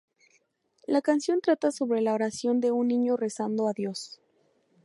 La canción trata sobre la oración de un niño rezando a Dios.